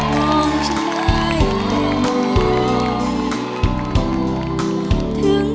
มองฉันไว้เพื่อมอง